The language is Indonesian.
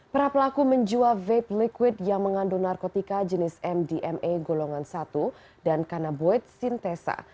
para pelaku menjual vape liquid yang mengandung narkotika jenis mdma golongan satu dan kanaboid sintesa